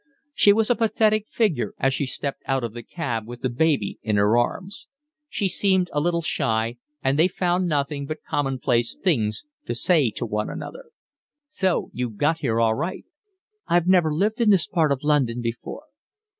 She was a pathetic figure as she stepped out of the cab with the baby in her arms. She seemed a little shy, and they found nothing but commonplace things to say to one another. "So you've got here all right." "I've never lived in this part of London before."